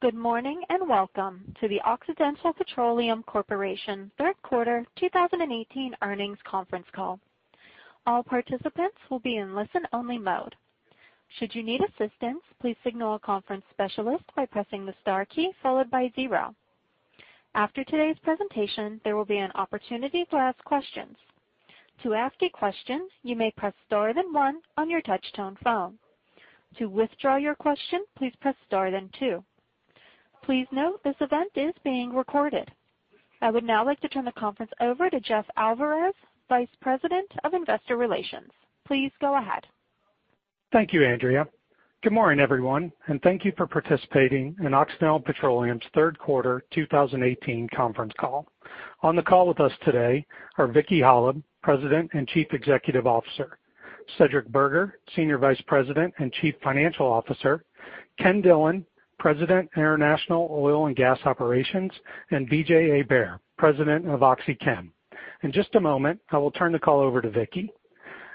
Good morning, and welcome to the Occidental Petroleum Corporation third quarter 2018 earnings conference call. All participants will be in listen only mode. Should you need assistance, please signal a conference specialist by pressing the star key followed by zero. After today's presentation, there will be an opportunity to ask questions. To ask a question, you may press star, then one on your touchtone phone. To withdraw your question, please press star, then two. Please note this event is being recorded. I would now like to turn the conference over to Jeff Alvarez, Vice President of Investor Relations. Please go ahead. Thank you, Andrea. Good morning, everyone, and thank you for participating in Occidental Petroleum's third quarter 2018 conference call. On the call with us today are Vicki Hollub, President and Chief Executive Officer, Cedric Burgher, Senior Vice President and Chief Financial Officer, Kenneth Dillon, President, International Oil and Gas Operations, and B.J. Hebert, President of OxyChem. In just a moment, I will turn the call over to Vicki.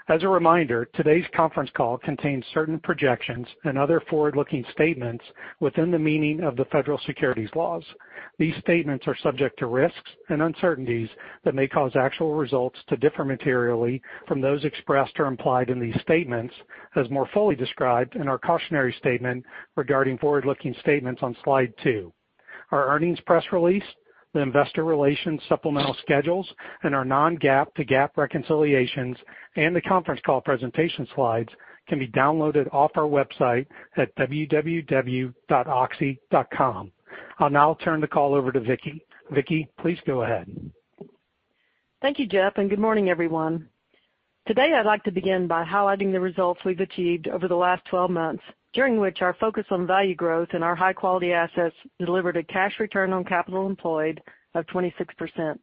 As a reminder, today's conference call contains certain projections and other forward-looking statements within the meaning of the federal securities laws. These statements are subject to risks and uncertainties that may cause actual results to differ materially from those expressed or implied in these statements, as more fully described in our cautionary statement regarding forward-looking statements on slide two. Our earnings press release, the investor relations supplemental schedules, and our non-GAAP to GAAP reconciliations, and the conference call presentation slides can be downloaded off our website at www.oxy.com. I'll now turn the call over to Vicki. Vicki, please go ahead. Thank you, Jeff, and good morning, everyone. Today, I'd like to begin by highlighting the results we've achieved over the last 12 months, during which our focus on value growth and our high-quality assets delivered a cash return on capital employed of 26%.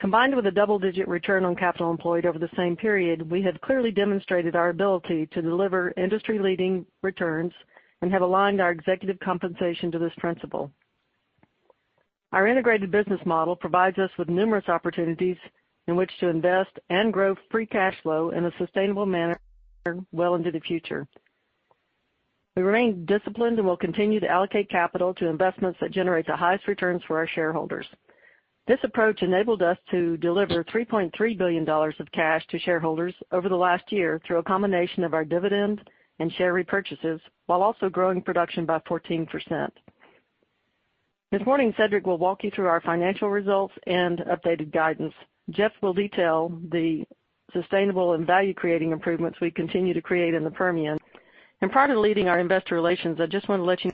Combined with a double-digit return on capital employed over the same period, we have clearly demonstrated our ability to deliver industry-leading returns and have aligned our executive compensation to this principle. Our integrated business model provides us with numerous opportunities in which to invest and grow free cash flow in a sustainable manner well into the future. We remain disciplined and will continue to allocate capital to investments that generate the highest returns for our shareholders. This approach enabled us to deliver $3.3 billion of cash to shareholders over the last year through a combination of our dividends and share repurchases, while also growing production by 14%. This morning, Cedric will walk you through our financial results and updated guidance. Jeff will detail the sustainable and value-creating improvements we continue to create in the Permian. Prior to leading our investor relations, I just want to let you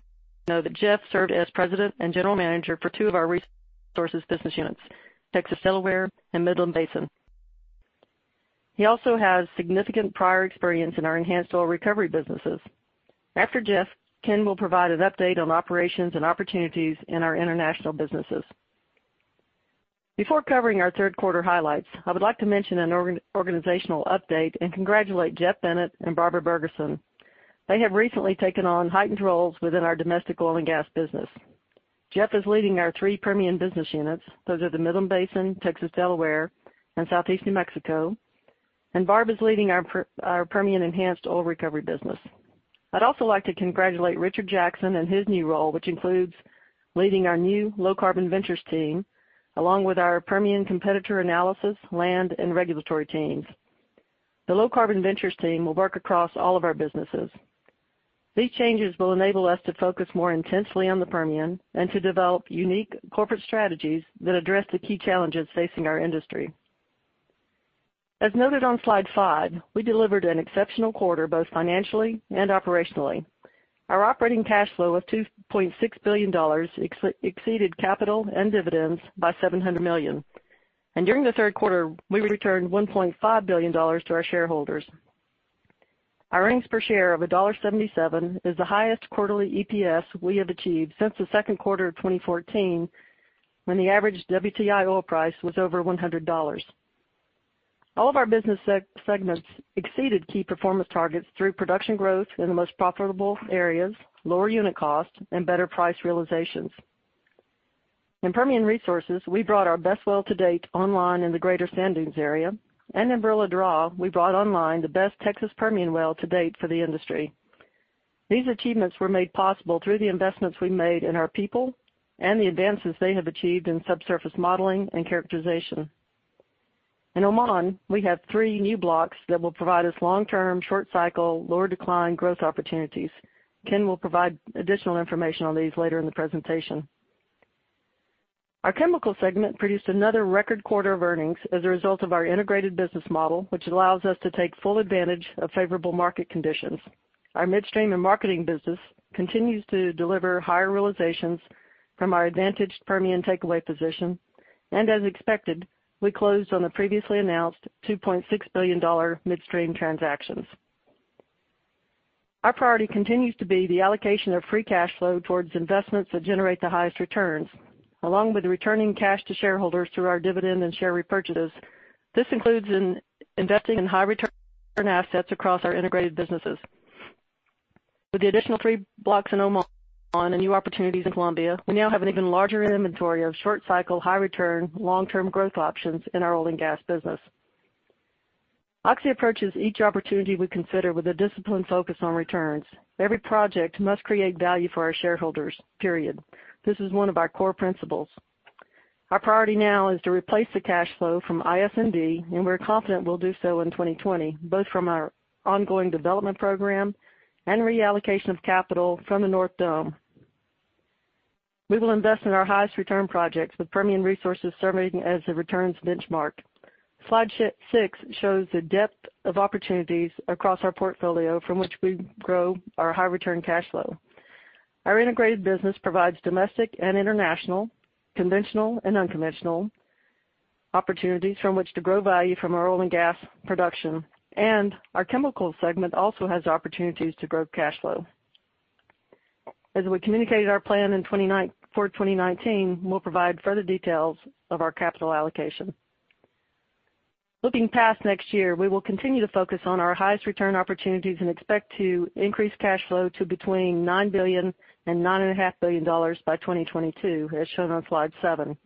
know that Jeff served as President and General Manager for two of our resources business units, Texas Delaware and Midland Basin. He also has significant prior experience in our enhanced oil recovery businesses. After Jeff, Ken will provide an update on operations and opportunities in our international businesses. Before covering our third quarter highlights, I would like to mention an organizational update and congratulate Jeff Bennett and Barbara Bergersen. They have recently taken on heightened roles within our domestic oil and gas business. Jeff is leading our three Permian business units. Those are the Midland Basin, Texas Delaware, and Southeast New Mexico, Barb is leading our Permian enhanced oil recovery business. I'd also like to congratulate Richard Jackson in his new role, which includes leading our new Low Carbon Ventures team, along with our Permian competitor analysis, land, and regulatory teams. The Low Carbon Ventures team will work across all of our businesses. These changes will enable us to focus more intensely on the Permian and to develop unique corporate strategies that address the key challenges facing our industry. As noted on slide five, we delivered an exceptional quarter, both financially and operationally. Our operating cash flow of $2.6 billion exceeded capital and dividends by $700 million. During the third quarter, we returned $1.5 billion to our shareholders. Our earnings per share of $1.77 is the highest quarterly EPS we have achieved since the second quarter of 2014, when the average WTI oil price was over $100. All of our business segments exceeded key performance targets through production growth in the most profitable areas, lower unit cost, and better price realizations. In Permian Resources, we brought our best well to date online in the Greater Sand Dunes area. In Barilla Draw, we brought online the best Texas Permian well to date for the industry. These achievements were made possible through the investments we made in our people and the advances they have achieved in subsurface modeling and characterization. In Oman, we have three new blocks that will provide us long-term, short cycle, lower decline growth opportunities. Ken will provide additional information on these later in the presentation. Our chemical segment produced another record quarter of earnings as a result of our integrated business model, which allows us to take full advantage of favorable market conditions. Our midstream and marketing business continues to deliver higher realizations from our advantaged Permian takeaway position. As expected, we closed on the previously announced $2.6 billion midstream transactions. Our priority continues to be the allocation of free cash flow towards investments that generate the highest returns, along with returning cash to shareholders through our dividend and share repurchases. This includes investing in high return assets across our integrated businesses. With the additional three blocks in Oman and new opportunities in Colombia, we now have an even larger inventory of short cycle, high return, long-term growth options in our oil and gas business. Oxy approaches each opportunity we consider with a disciplined focus on returns. Every project must create value for our shareholders, period. This is one of our core principles. Our priority now is to replace the cash flow from ISND, and we're confident we'll do so in 2020, both from our ongoing development program and reallocation of capital from the North Dome. We will invest in our highest return projects, with Permian Resources serving as the returns benchmark. Slide six shows the depth of opportunities across our portfolio from which we grow our high return cash flow. Our integrated business provides domestic and international, conventional and unconventional opportunities from which to grow value from our oil and gas production, and our chemicals segment also has opportunities to grow cash flow. As we communicated our plan for 2019, we'll provide further details of our capital allocation. Looking past next year, we will continue to focus on our highest return opportunities and expect to increase cash flow to between $9 billion and $9.5 billion by 2022, as shown on slide seven.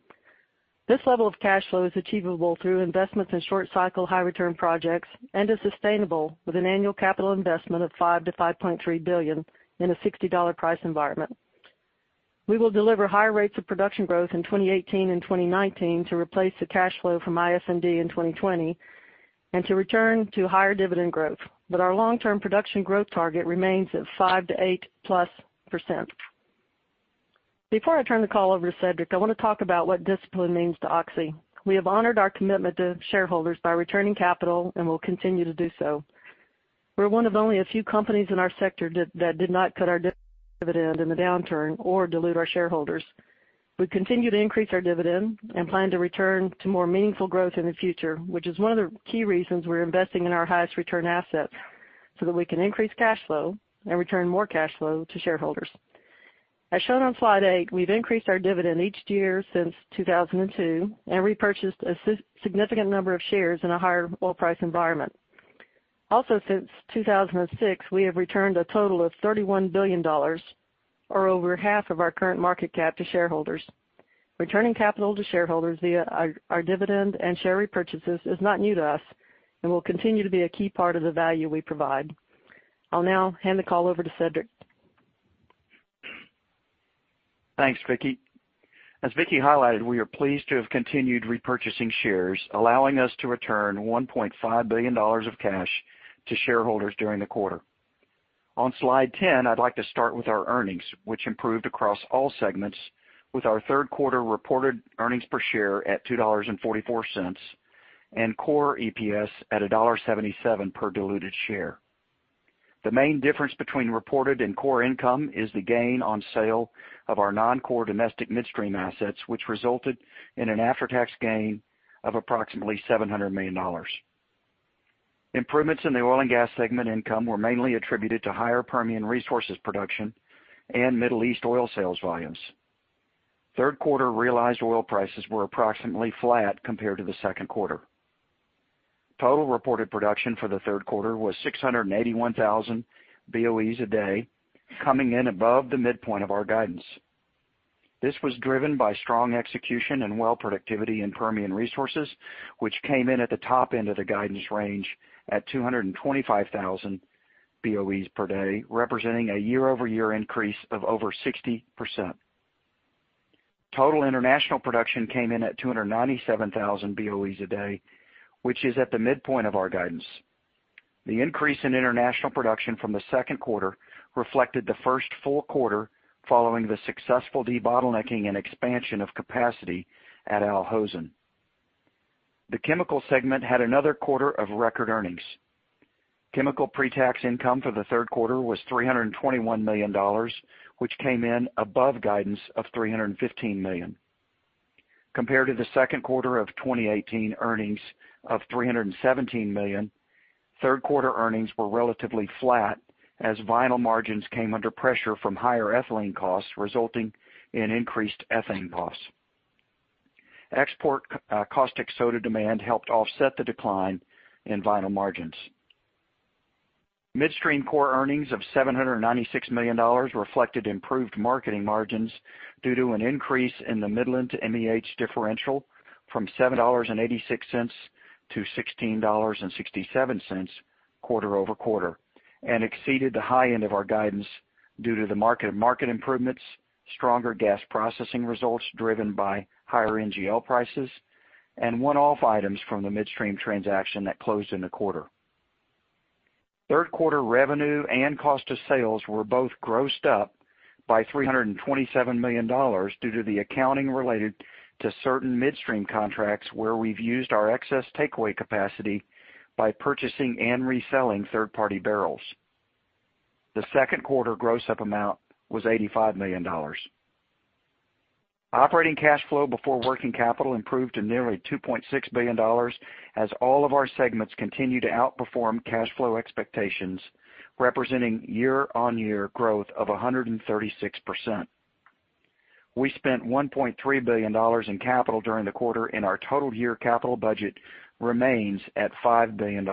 This level of cash flow is achievable through investments in short cycle, high return projects and is sustainable with an annual capital investment of $5 billion-$5.3 billion in a $60 price environment. We will deliver higher rates of production growth in 2018 and 2019 to replace the cash flow from ISND in 2020, and to return to higher dividend growth. Our long-term production growth target remains at 5%-8+%. Before I turn the call over to Cedric, I want to talk about what discipline means to Oxy. We have honored our commitment to shareholders by returning capital and will continue to do so. We're one of only a few companies in our sector that did not cut our dividend in the downturn or dilute our shareholders. We continue to increase our dividend and plan to return to more meaningful growth in the future, which is one of the key reasons we're investing in our highest return assets, so that we can increase cash flow and return more cash flow to shareholders. As shown on slide eight, we've increased our dividend each year since 2002 and repurchased a significant number of shares in a higher oil price environment. Also, since 2006, we have returned a total of $31 billion, or over half of our current market cap, to shareholders. Returning capital to shareholders via our dividend and share repurchases is not new to us and will continue to be a key part of the value we provide. I'll now hand the call over to Cedric. Thanks, Vicki. As Vicki highlighted, we are pleased to have continued repurchasing shares, allowing us to return $1.5 billion of cash to shareholders during the quarter. On slide 10, I'd like to start with our earnings, which improved across all segments with our third quarter reported earnings per share at $2.44 and core EPS at $1.77 per diluted share. The main difference between reported and core income is the gain on sale of our non-core domestic midstream assets, which resulted in an after-tax gain of approximately $700 million. Improvements in the oil and gas segment income were mainly attributed to higher Permian Resources production and Middle East oil sales volumes. Third quarter realized oil prices were approximately flat compared to the second quarter. Total reported production for the third quarter was 681,000 BOEs a day, coming in above the midpoint of our guidance. This was driven by strong execution and well productivity in Permian Resources, which came in at the top end of the guidance range at 225,000 BOEs per day, representing a year-over-year increase of over 60%. Total international production came in at 297,000 BOEs a day, which is at the midpoint of our guidance. The increase in international production from the second quarter reflected the first full quarter following the successful debottlenecking and expansion of capacity at Al Hosn. The chemical segment had another quarter of record earnings. Chemical pre-tax income for the third quarter was $321 million, which came in above guidance of $315 million. Compared to the second quarter of 2018 earnings of $317 million, third quarter earnings were relatively flat as vinyl margins came under pressure from higher ethylene costs, resulting in increased ethane costs. Export caustic soda demand helped offset the decline in vinyl margins. Midstream core earnings of $796 million reflected improved marketing margins due to an increase in the Midland to MEH differential from $7.86 to $16.67 quarter-over-quarter, and exceeded the high end of our guidance due to the market improvements, stronger gas processing results driven by higher NGL prices, and one-off items from the midstream transaction that closed in the quarter. Third quarter revenue and cost of sales were both grossed up by $327 million due to the accounting related to certain midstream contracts where we've used our excess takeaway capacity by purchasing and reselling third-party barrels. The second quarter gross up amount was $85 million. Operating cash flow before working capital improved to nearly $2.6 billion as all of our segments continued to outperform cash flow expectations, representing year-on-year growth of 136%. We spent $1.3 billion in capital during the quarter. Our total year capital budget remains at $5 billion.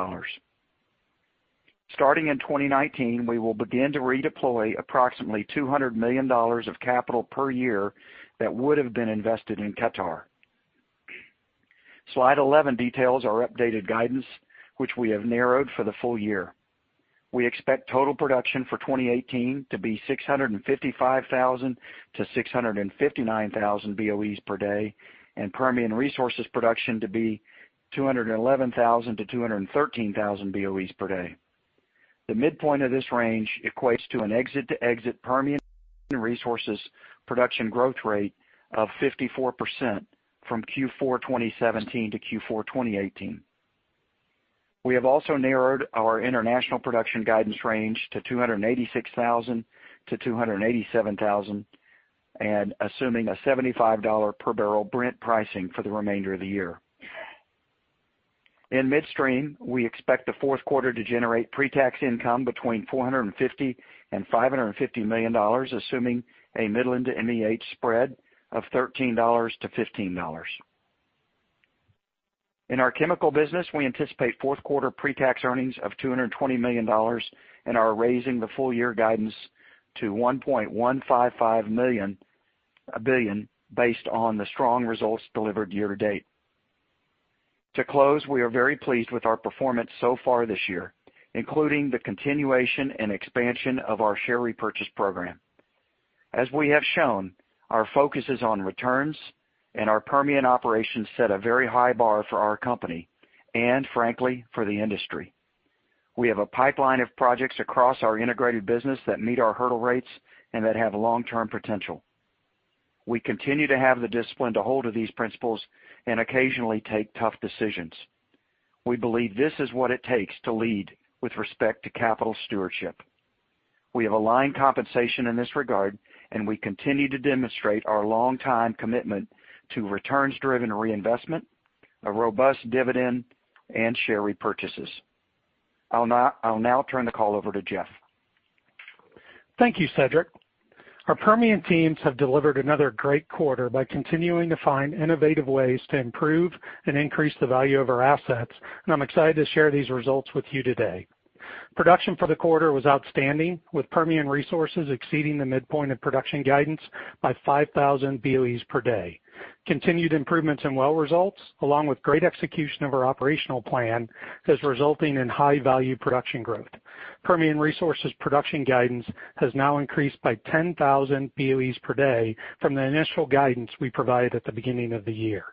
Starting in 2019, we will begin to redeploy approximately $200 million of capital per year that would have been invested in Qatar. Slide 11 details our updated guidance, which we have narrowed for the full year. We expect total production for 2018 to be 655,000 to 659,000 BOEs per day, and Permian Resources production to be 211,000 to 213,000 BOEs per day. The midpoint of this range equates to an exit-to-exit Permian Resources production growth rate of 54% from Q4 2017 to Q4 2018. We have also narrowed our international production guidance range to 286,000-287,000 BOEs per day, assuming a $75 per barrel Brent pricing for the remainder of the year. In midstream, we expect the fourth quarter to generate pre-tax income between $450 and $550 million, assuming a Midland to MEH spread of $13 to $15. In our chemical business, we anticipate fourth quarter pre-tax earnings of $220 million and are raising the full year guidance to $1.155 billion based on the strong results delivered year to date. To close, we are very pleased with our performance so far this year, including the continuation and expansion of our share repurchase program. As we have shown, our focus is on returns and our Permian operations set a very high bar for our company and frankly, for the industry. We have a pipeline of projects across our integrated business that meet our hurdle rates and that have long-term potential. We continue to have the discipline to hold to these principles and occasionally take tough decisions. We believe this is what it takes to lead with respect to capital stewardship. We have aligned compensation in this regard, and we continue to demonstrate our long-time commitment to returns-driven reinvestment, a robust dividend, and share repurchases. I'll now turn the call over to Jeff. Thank you, Cedric. Our Permian teams have delivered another great quarter by continuing to find innovative ways to improve and increase the value of our assets, and I'm excited to share these results with you today. Production for the quarter was outstanding, with Permian Resources exceeding the midpoint of production guidance by 5,000 BOEs per day. Continued improvements in well results, along with great execution of our operational plan, is resulting in high-value production growth. Permian Resources production guidance has now increased by 10,000 BOEs per day from the initial guidance we provided at the beginning of the year.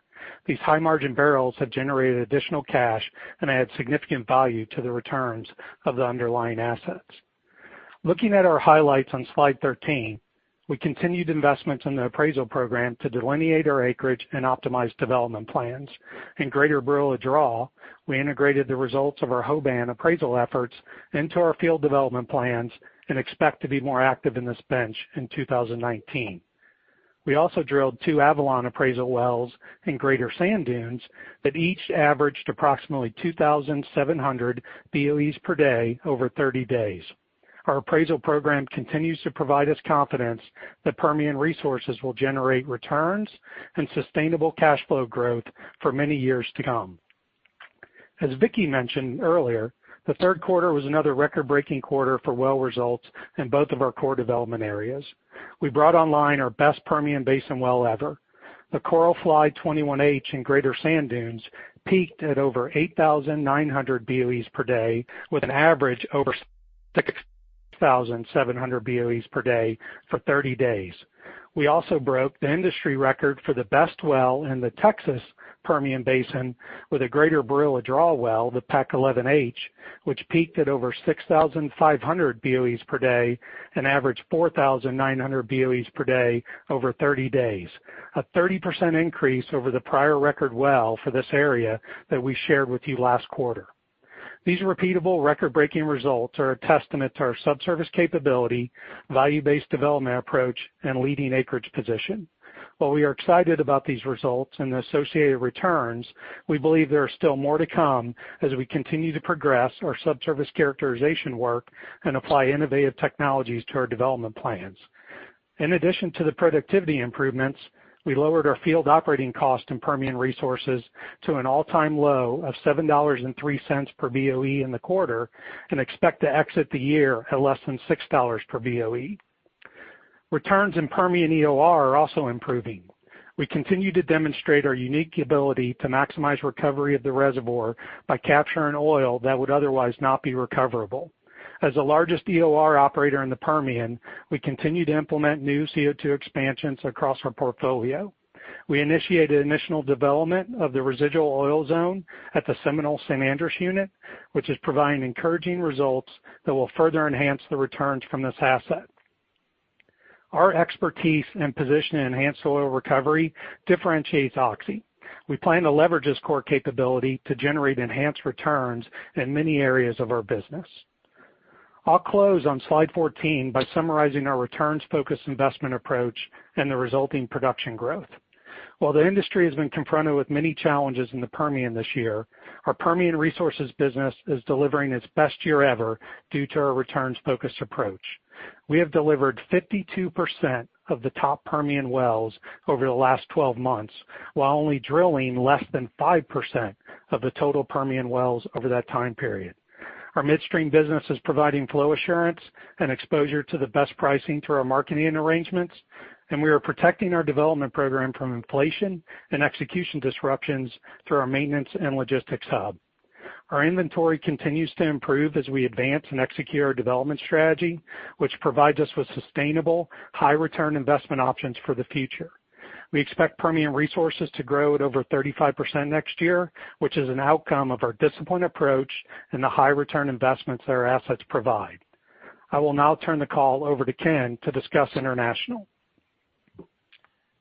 These high-margin barrels have generated additional cash and add significant value to the returns of the underlying assets. Looking at our highlights on slide 13, we continued investments in the appraisal program to delineate our acreage and optimize development plans. In Greater Barilla Draw, we integrated the results of our Hoban appraisal efforts into our field development plans and expect to be more active in this bench in 2019. We also drilled two Avalon appraisal wells in Greater Sand Dunes that each averaged approximately 2,700 BOEs per day over 30 days. Our appraisal program continues to provide us confidence that Permian Resources will generate returns and sustainable cash flow growth for many years to come. As Vicki mentioned earlier, the third quarter was another record-breaking quarter for well results in both of our core development areas. We brought online our best Permian Basin well ever. The Coralfly 21H in Greater Sand Dunes peaked at over 8,900 BOEs per day, with an average over 6,700 BOEs per day for 30 days. We also broke the industry record for the best well in the Texas Permian Basin with a Greater Barilla Draw well, the Peck 11H, which peaked at over 6,500 BOEs per day and averaged 4,900 BOEs per day over 30 days. A 30% increase over the prior record well for this area that we shared with you last quarter. These repeatable record-breaking results are a testament to our subsurface capability, value-based development approach, and leading acreage position. While we are excited about these results and the associated returns, we believe there are still more to come as we continue to progress our subsurface characterization work and apply innovative technologies to our development plans. In addition to the productivity improvements, we lowered our field operating cost in Permian Resources to an all-time low of $7.03 per BOE in the quarter and expect to exit the year at less than $6 per BOE. Returns in Permian EOR are also improving. We continue to demonstrate our unique ability to maximize recovery of the reservoir by capturing oil that would otherwise not be recoverable. As the largest EOR operator in the Permian, we continue to implement new CO2 expansions across our portfolio. We initiated initial development of the residual oil zone at the Seminole-San Andres unit, which is providing encouraging results that will further enhance the returns from this asset. Our expertise and position in enhanced oil recovery differentiates Oxy. We plan to leverage this core capability to generate enhanced returns in many areas of our business. I'll close on slide 14 by summarizing our returns-focused investment approach and the resulting production growth. While the industry has been confronted with many challenges in the Permian this year, our Permian Resources business is delivering its best year ever due to our returns-focused approach. We have delivered 52% of the top Permian wells over the last 12 months, while only drilling less than 5% of the total Permian wells over that time period. Our midstream business is providing flow assurance and exposure to the best pricing through our marketing arrangements. We are protecting our development program from inflation and execution disruptions through our maintenance and logistics hub. Our inventory continues to improve as we advance and execute our development strategy, which provides us with sustainable, high-return investment options for the future. We expect Permian Resources to grow at over 35% next year, which is an outcome of our disciplined approach and the high-return investments that our assets provide. I will now turn the call over to Ken to discuss international.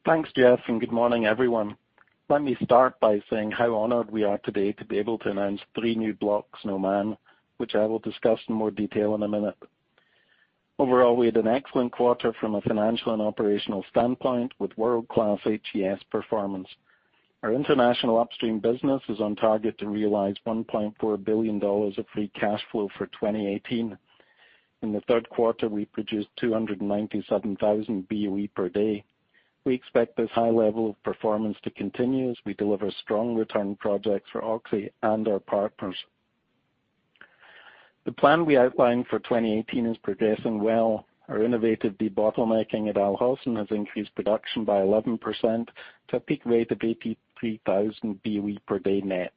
Thanks, Jeff. Good morning, everyone. Let me start by saying how honored we are today to be able to announce three new blocks in Oman, which I will discuss in more detail in a minute. Overall, we had an excellent quarter from a financial and operational standpoint with world-class HSE performance. Our international upstream business is on target to realize $1.4 billion of free cash flow for 2018. In the third quarter, we produced 297,000 BOE per day. We expect this high level of performance to continue as we deliver strong return projects for Oxy and our partners. The plan we outlined for 2018 is progressing well. Our innovative debottlenecking at Al Hosn has increased production by 11% to a peak rate of 83,000 BOE per day net.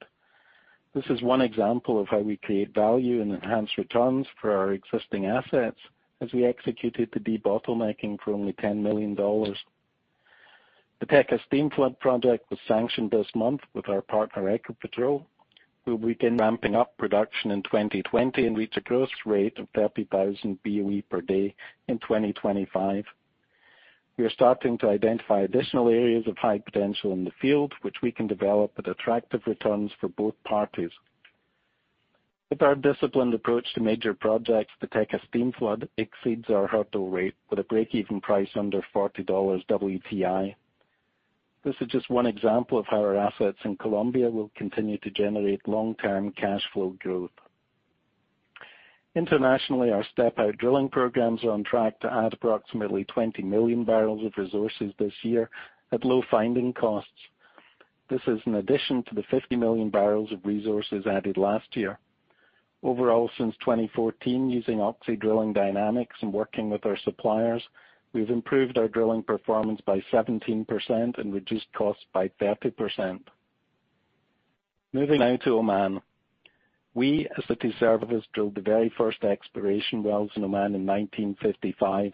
This is one example of how we create value and enhance returns for our existing assets as we executed the debottlenecking for only $10 million. The Teca Steam flood project was sanctioned this month with our partner, Ecopetrol. We will begin ramping up production in 2020 and reach a gross rate of 30,000 BOE per day in 2025. We are starting to identify additional areas of high potential in the field, which we can develop with attractive returns for both parties. With our disciplined approach to major projects, the Teca Steam flood exceeds our hurdle rate with a break-even price under $40 WTI. This is just one example of how our assets in Colombia will continue to generate long-term cash flow growth. Internationally, our step-out drilling programs are on track to add approximately 20 million barrels of resources this year at low finding costs. This is in addition to the 50 million barrels of resources added last year. Overall, since 2014, using Oxy Drilling Dynamics and working with our suppliers, we've improved our drilling performance by 17% and reduced costs by 30%. Moving now to Oman. We, as Oxy, drilled the very first exploration wells in Oman in 1955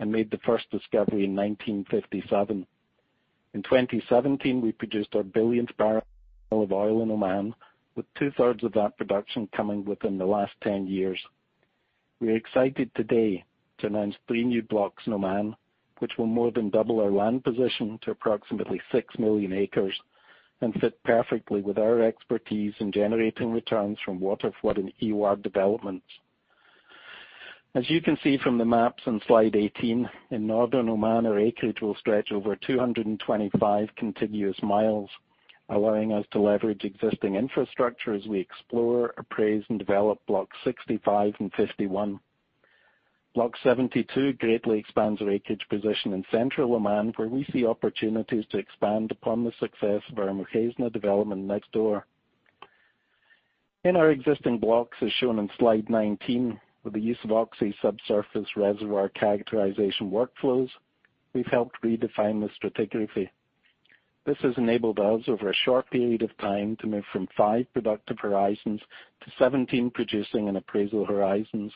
and made the first discovery in 1957. In 2017, we produced our billionth barrel of oil in Oman, with two-thirds of that production coming within the last 10 years. We are excited today to announce three new blocks in Oman, which will more than double our land position to approximately 6 million acres and fit perfectly with our expertise in generating returns from water flood and EOR developments. As you can see from the maps on slide 18, in northern Oman, our acreage will stretch over 225 continuous miles, allowing us to leverage existing infrastructure as we explore, appraise, and develop Blocks 65 and 51. Block 72 greatly expands our acreage position in central Oman, where we see opportunities to expand upon the success of our Mukhaizna development next door. In our existing blocks, as shown on slide 19, with the use of Oxy subsurface reservoir characterization workflows, we've helped redefine the stratigraphy. This has enabled us, over a short period of time, to move from five productive horizons to 17 producing and appraisal horizons.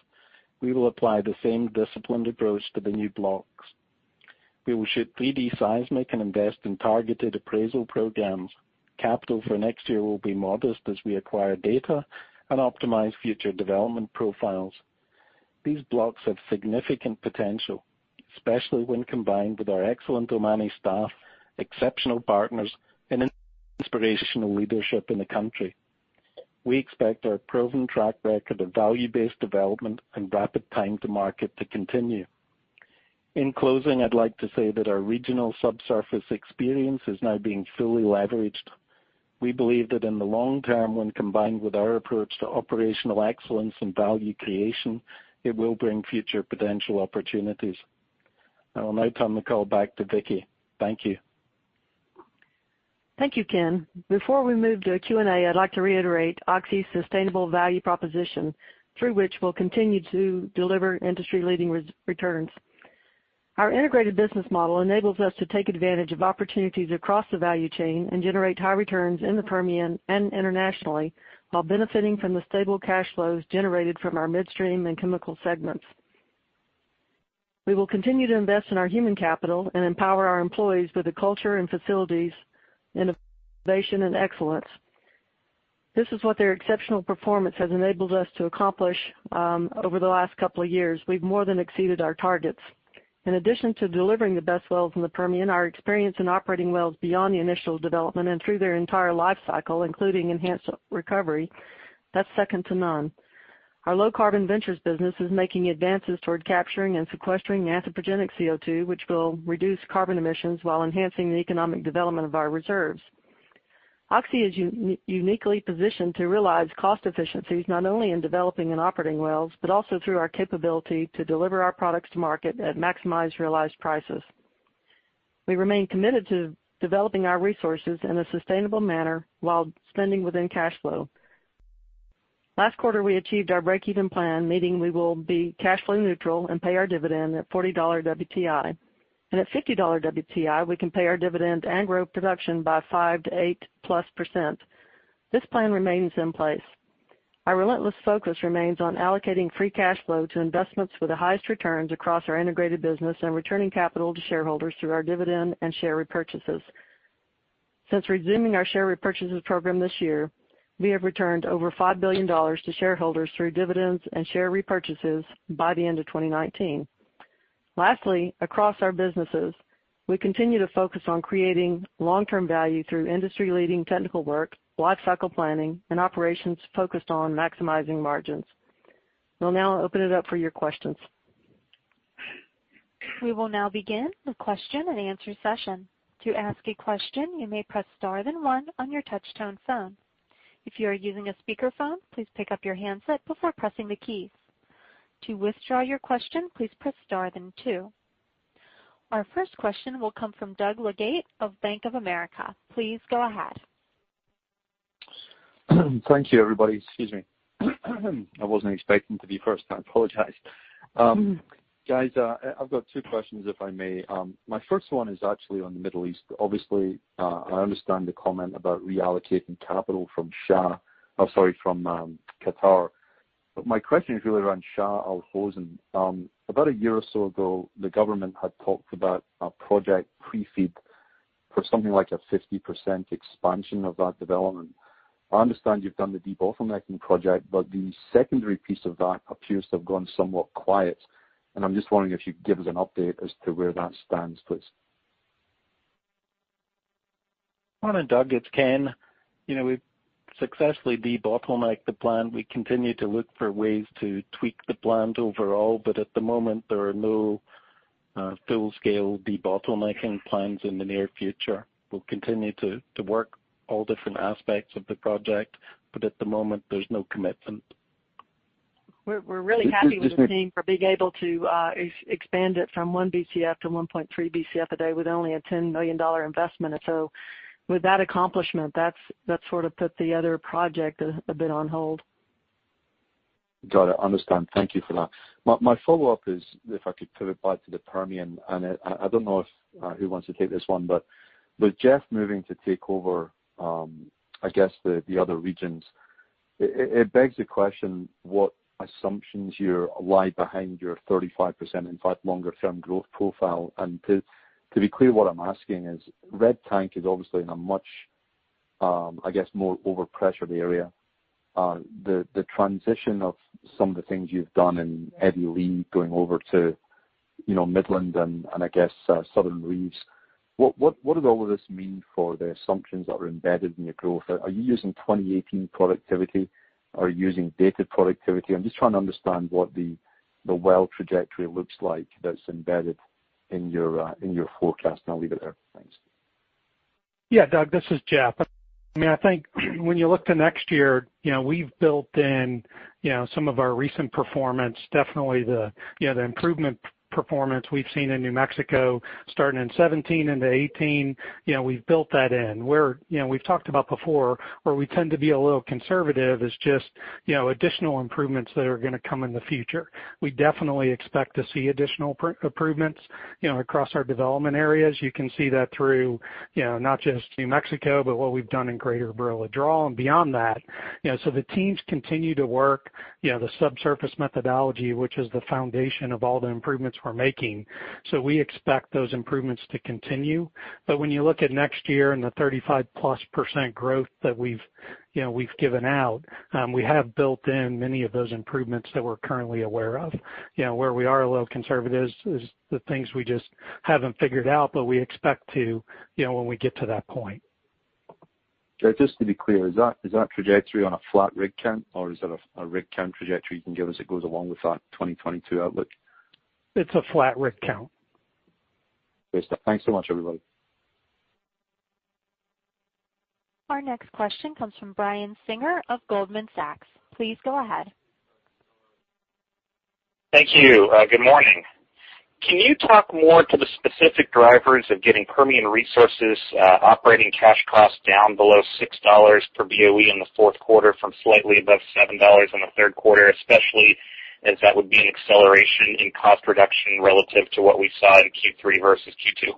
We will apply the same disciplined approach to the new blocks. We will shoot 3D seismic and invest in targeted appraisal programs. Capital for next year will be modest as we acquire data and optimize future development profiles. These blocks have significant potential, especially when combined with our excellent Omani staff, exceptional partners, and inspirational leadership in the country. We expect our proven track record of value-based development and rapid time to market to continue. In closing, I'd like to say that our regional subsurface experience is now being fully leveraged. We believe that in the long term, when combined with our approach to operational excellence and value creation, it will bring future potential opportunities. I will now turn the call back to Vicki. Thank you. Thank you, Ken. Before we move to Q&A, I'd like to reiterate Oxy's sustainable value proposition through which we'll continue to deliver industry-leading returns. Our integrated business model enables us to take advantage of opportunities across the value chain and generate high returns in the Permian and internationally while benefiting from the stable cash flows generated from our midstream and chemical segments. We will continue to invest in our human capital and empower our employees with the culture and facilities, innovation, and excellence. This is what their exceptional performance has enabled us to accomplish over the last couple of years. We've more than exceeded our targets. In addition to delivering the best wells in the Permian, our experience in operating wells beyond the initial development and through their entire life cycle, including enhanced recovery, that's second to none. Our Low Carbon Ventures business is making advances toward capturing and sequestering anthropogenic CO2, which will reduce carbon emissions while enhancing the economic development of our reserves. Oxy is uniquely positioned to realize cost efficiencies, not only in developing and operating wells, but also through our capability to deliver our products to market at maximized realized prices. We remain committed to developing our resources in a sustainable manner while spending within cash flow. Last quarter, we achieved our break-even plan, meaning we will be cash flow neutral and pay our dividend at $40 WTI. At $50 WTI, we can pay our dividend and grow production by 5%-8+%. This plan remains in place. Our relentless focus remains on allocating free cash flow to investments with the highest returns across our integrated business, and returning capital to shareholders through our dividend and share repurchases. Since resuming our share repurchases program this year, we have returned over $5 billion to shareholders through dividends and share repurchases by the end of 2019. Lastly, across our businesses, we continue to focus on creating long-term value through industry-leading technical work, lifecycle planning, and operations focused on maximizing margins. We'll now open it up for your questions. We will now begin the question and answer session. To ask a question, you may press star then one on your touchtone phone. If you are using a speakerphone, please pick up your handset before pressing the keys. To withdraw your question, please press star then two. Our first question will come from Doug Leggate of Bank of America. Please go ahead. Thank you, everybody. Excuse me. I wasn't expecting to be first. I apologize. Guys, I've got two questions, if I may. My first one is actually on the Middle East. Obviously, I understand the comment about reallocating capital from Qatar. My question is really around Shah Gas. About a year or so ago, the government had talked about a project pre-feed for something like a 50% expansion of that development. I understand you've done the debottlenecking project, the secondary piece of that appears to have gone somewhat quiet, and I'm just wondering if you could give us an update as to where that stands, please. Morning, Doug. It's Ken. We've successfully debottlenecked the plan. We continue to look for ways to tweak the plan overall. At the moment, there are no full-scale debottlenecking plans in the near future. We'll continue to work all different aspects of the project. At the moment, there's no commitment. We're really happy with the team for being able to expand it from one BCF to 1.3 BCF a day with only a $10 million investment. With that accomplishment, that sort of put the other project a bit on hold. Got it. Understand. Thank you for that. My follow-up is, if I could pivot back to the Permian, I don't know who wants to take this one, but with Jeff moving to take over the other regions, it begs the question, what assumptions here lie behind your 35% and five longer-term growth profile? To be clear, what I'm asking is, Red Tank is obviously in a much more overpressured area. The transition of some of the things you've done in Eddy and Lea going over to Midland and Southern Reeves, what does all of this mean for the assumptions that are embedded in your growth? Are you using 2018 productivity? Are you using data productivity? I'm just trying to understand what the well trajectory looks like that's embedded in your forecast, and I'll leave it there. Thanks. Yeah, Doug. This is Jeff. I think when you look to next year, we've built in some of our recent performance, definitely the improvement performance we've seen in New Mexico starting in 2017 into 2018. We've built that in. We've talked about before, where we tend to be a little conservative is just additional improvements that are going to come in the future. We definitely expect to see additional improvements across our development areas. You can see that through not just New Mexico, but what we've done in Greater Barilla Draw and beyond that. The teams continue to work the subsurface methodology, which is the foundation of all the improvements we're making. We expect those improvements to continue. When you look at next year and the 35+% growth that we've given out, we have built in many of those improvements that we're currently aware of. Where we are a little conservative is the things we just haven't figured out, but we expect to when we get to that point. Just to be clear, is that trajectory on a flat rig count, or is that a rig count trajectory you can give us that goes along with that 2022 outlook? It's a flat rig count. Thanks so much, everybody. Our next question comes from Brian Singer of Goldman Sachs. Please go ahead. Thank you. Good morning. Can you talk more to the specific drivers of getting Permian Resources operating cash costs down below $6 per BOE in the fourth quarter from slightly above $7 in the third quarter, especially as that would be an acceleration in cost reduction relative to what we saw in Q3 versus Q2?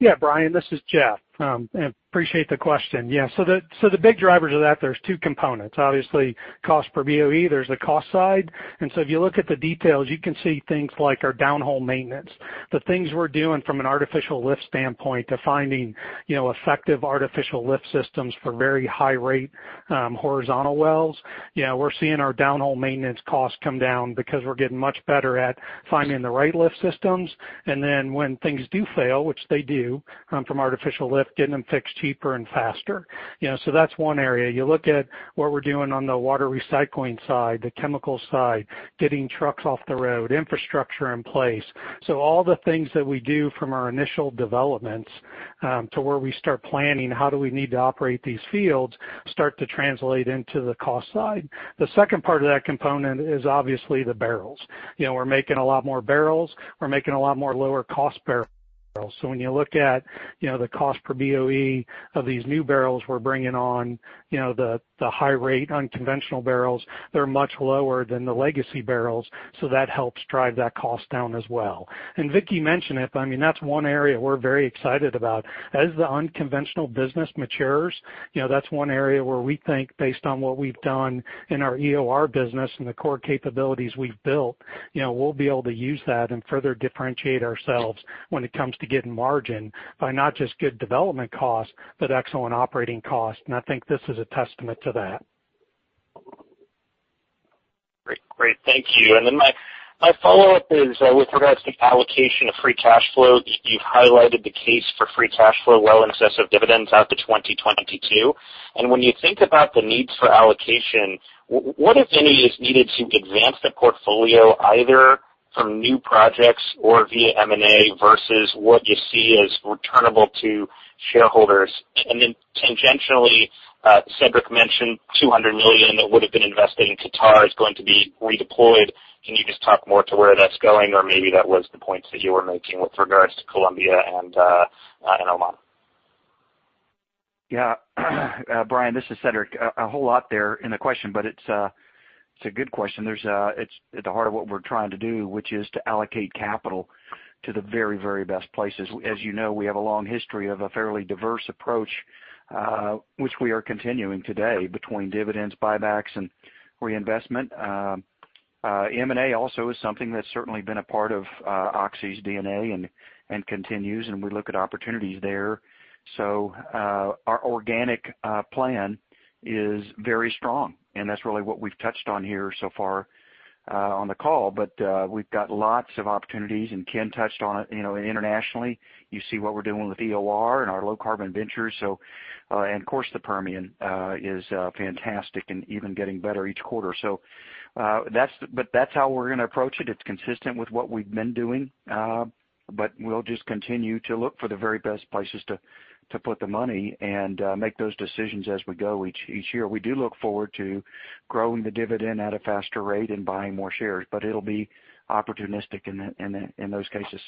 Yeah, Brian, this is Jeff. I appreciate the question. Yeah. The big drivers of that, there's two components, obviously, cost per BOE. There's the cost side. If you look at the details, you can see things like our downhole maintenance, the things we're doing from an artificial lift standpoint to finding effective artificial lift systems for very high-rate horizontal wells. We're seeing our downhole maintenance costs come down because we're getting much better at finding the right lift systems. Then when things do fail, which they do, from artificial lift, getting them fixed cheaper and faster. That's one area. You look at what we're doing on the water recycling side, the chemical side, getting trucks off the road, infrastructure in place. All the things that we do from our initial developments to where we start planning how do we need to operate these fields, start to translate into the cost side. The second part of that component is obviously the barrels. We're making a lot more barrels, we're making a lot more lower cost barrels. When you look at the cost per BOE of these new barrels we're bringing on, the high rate unconventional barrels, they're much lower than the legacy barrels, so that helps drive that cost down as well. Vicki mentioned it, that's one area we're very excited about. As the unconventional business matures, that's one area where we think based on what we've done in our EOR business and the core capabilities we've built, we'll be able to use that and further differentiate ourselves when it comes to getting margin by not just good development costs, but excellent operating costs. I think this is a testament to that. Great. Thank you. My follow-up is with regards to allocation of free cash flow. You've highlighted the case for free cash flow well in excess of dividends out to 2022. When you think about the needs for allocation, what, if any, is needed to advance the portfolio either from new projects or via M&A versus what you see as returnable to shareholders? Tangentially, Cedric mentioned $200 million that would've been invested in Qatar is going to be redeployed. Can you just talk more to where that's going? Or maybe that was the points that you were making with regards to Colombia and Oman. Yeah. Brian, this is Cedric. A whole lot there in the question, it's a good question. It's at the heart of what we're trying to do, which is to allocate capital to the very best places. As you know, we have a long history of a fairly diverse approach, which we are continuing today between dividends, buybacks, and reinvestment. M&A also is something that's certainly been a part of Oxy's DNA and continues, and we look at opportunities there. Our organic plan is very strong, and that's really what we've touched on here so far on the call. We've got lots of opportunities, and Ken touched on it. Internationally, you see what we're doing with EOR and our Low Carbon Ventures. Of course, the Permian is fantastic and even getting better each quarter. That's how we're going to approach it. It's consistent with what we've been doing. We'll just continue to look for the very best places to put the money and make those decisions as we go each year. We do look forward to growing the dividend at a faster rate and buying more shares, it'll be opportunistic in those cases.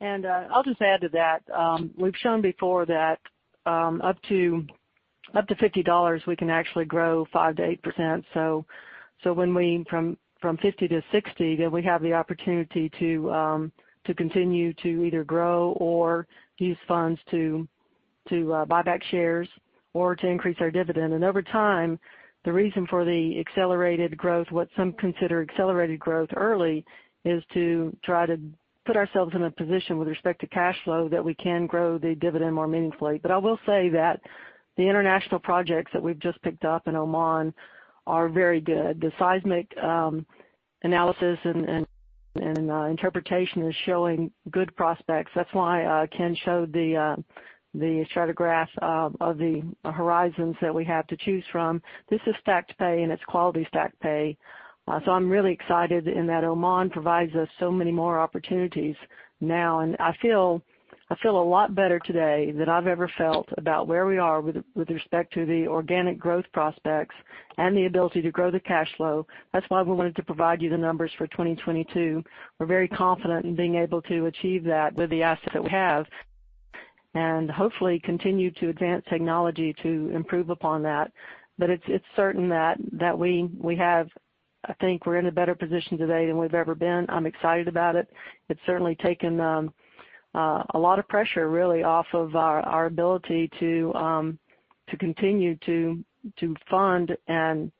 I'll just add to that. We've shown before that up to $50, we can actually grow 5%-8%. From $50 to $60, then we have the opportunity to continue to either grow or use funds to buy back shares or to increase our dividend. Over time, the reason for the accelerated growth, what some consider accelerated growth early, is to try to put ourselves in a position with respect to cash flow that we can grow the dividend more meaningfully. I will say that the international projects that we've just picked up in Oman are very good. The seismic analysis and interpretation is showing good prospects. That's why Ken showed the [Stratigraph] of the horizons that we have to choose from. This is stacked pay, and it's quality stacked pay. I'm really excited in that Oman provides us so many more opportunities now. I feel a lot better today than I've ever felt about where we are with respect to the organic growth prospects and the ability to grow the cash flow. That's why we wanted to provide you the numbers for 2022. We're very confident in being able to achieve that with the assets that we have and hopefully continue to advance technology to improve upon that. It's certain that I think we're in a better position today than we've ever been. I'm excited about it. It's certainly taken a lot of pressure really off of our ability to continue to fund and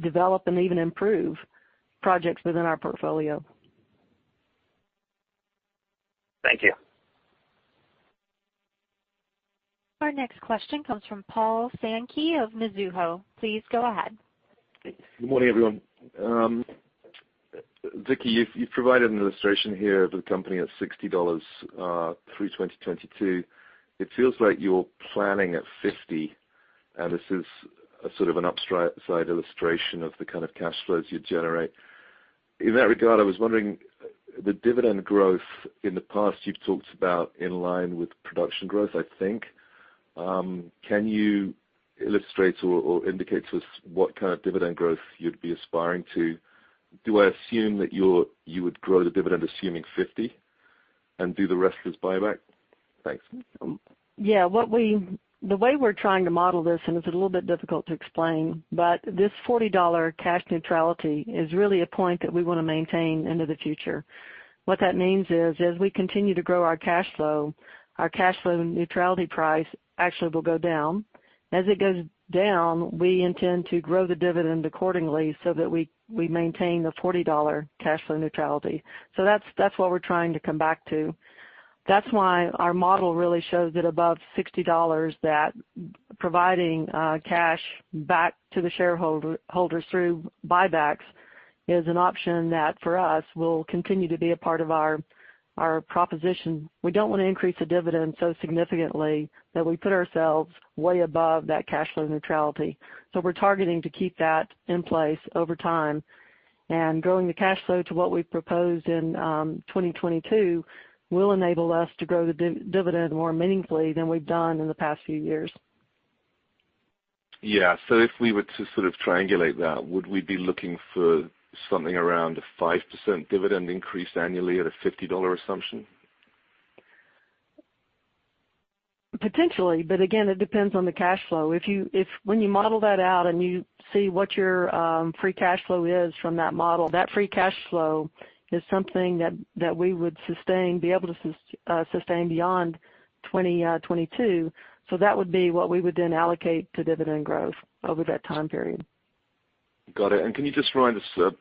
develop and even improve projects within our portfolio. Thank you. Our next question comes from Paul Sankey of Mizuho. Please go ahead. Good morning, everyone. Vicki, you've provided an illustration here of the company at $60 through 2022. It feels like you're planning at $50. This is a sort of an up-side illustration of the kind of cash flows you generate. In that regard, I was wondering, the dividend growth in the past, you've talked about in line with production growth, I think. Can you illustrate or indicate to us what kind of dividend growth you'd be aspiring to? Do I assume that you would grow the dividend assuming $50 and do the rest as buyback? Thanks. Yeah. The way we're trying to model this, it's a little bit difficult to explain, this $40 cash neutrality is really a point that we want to maintain into the future. What that means is as we continue to grow our cash flow, our cash flow neutrality price actually will go down. As it goes down, we intend to grow the dividend accordingly so that we maintain the $40 cash flow neutrality. That's what we're trying to come back to. That's why our model really shows that above $60, providing cash back to the shareholders through buybacks is an option that for us, will continue to be a part of our proposition. We don't want to increase the dividend so significantly that we put ourselves way above that cash flow neutrality. We're targeting to keep that in place over time. Growing the cash flow to what we've proposed in 2022 will enable us to grow the dividend more meaningfully than we've done in the past few years. Yeah. If we were to sort of triangulate that, would we be looking for something around a 5% dividend increase annually at a $50 assumption? Potentially, again, it depends on the cash flow. When you model that out, you see what your free cash flow is from that model, that free cash flow is something that we would be able to sustain beyond 2022. That would be what we would then allocate to dividend growth over that time period. Got it. Can you just remind us, a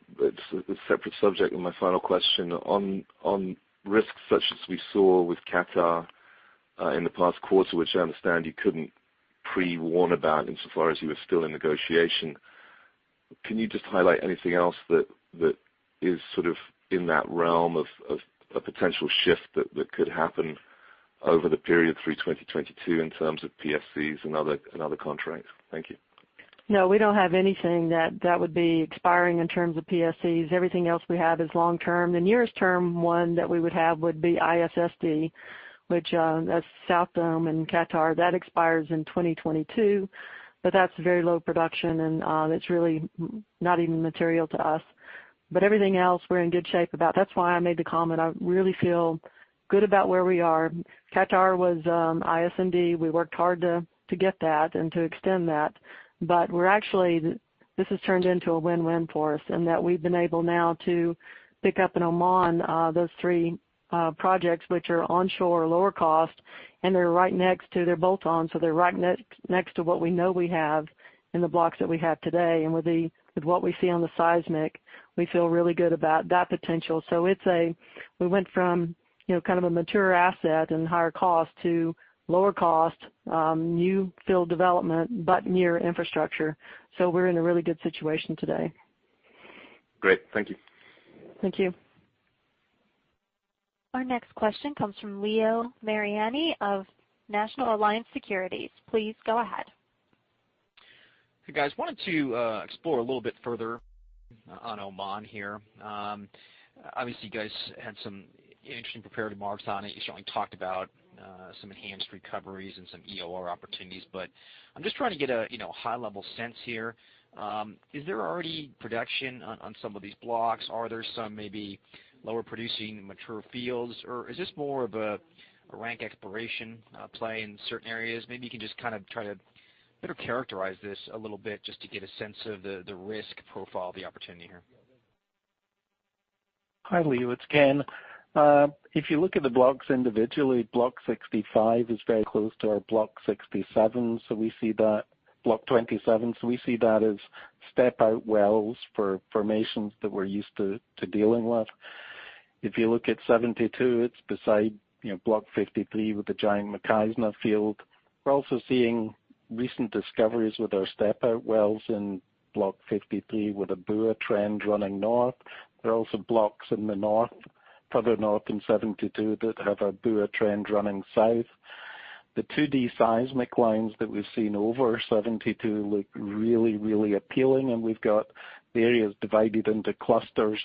separate subject and my final question, on risks such as we saw with Qatar, in the past quarter, which I understand you couldn't pre-warn about insofar as you were still in negotiation. Can you just highlight anything else that is sort of in that realm of a potential shift that could happen over the period through 2022 in terms of PSCs and other contracts? Thank you. No, we don't have anything that would be expiring in terms of PSCs. Everything else we have is long-term. The nearest term one that we would have would be ISND, which, that's South Oman and Qatar. That expires in 2022, but that's very low production, and it's really not even material to us. Everything else we're in good shape about. That's why I made the comment. I really feel good about where we are. Qatar was ISND. We worked hard to get that and to extend that. This has turned into a win-win for us in that we've been able now to pick up in Oman, those three projects, which are onshore, lower cost, and they're bolt-on, so they're right next to what we know we have in the blocks that we have today. With what we see on the seismic, we feel really good about that potential. We went from kind of a mature asset and higher cost to lower cost, new field development, but near infrastructure. We're in a really good situation today. Great. Thank you. Thank you. Our next question comes from Leo Mariani of NatAlliance Securities. Please go ahead. Hey, guys. Wanted to explore a little bit further on Oman here. Obviously, you guys had some interesting prepared remarks on it. You certainly talked about some enhanced recoveries and some EOR opportunities, but I'm just trying to get a high-level sense here. Is there already production on some of these blocks? Are there some maybe lower producing mature fields, or is this more of a rank exploration play in certain areas? Maybe you can just try to better characterize this a little bit just to get a sense of the risk profile of the opportunity here. Hi, Leo, it's Ken. If you look at the blocks individually, Block 65 is very close to our Block 67, Block 27, so we see that as step-out wells for formations that we're used to dealing with. If you look at 72, it's beside Block 53 with the giant Mukhaizna field. We're also seeing recent discoveries with our step-out wells in Block 53 with Abuha Trend running north. There are also blocks in the north, further north in 72 that have Abuha Trend running south. The 2D seismic lines that we've seen over 72 look really appealing, and we've got the areas divided into clusters